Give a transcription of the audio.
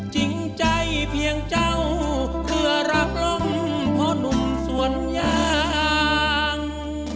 จริงใจเพียงเจ้าเพื่อรักลงพ่อหนุ่มส่วนยาง